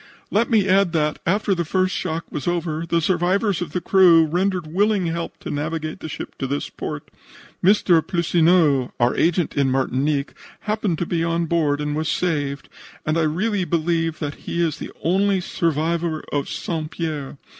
"Let me add that, after the first shock was over, the survivors of the crew rendered willing help to navigate the ship to this port. Mr. Plissoneau, our agent in Martinique, happening to be on board, was saved, and I really believe that he is the only survivor of St. Pierre.